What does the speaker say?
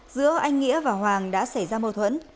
giữa anh nghĩa và hoàng đã xảy ra mâu thuẫn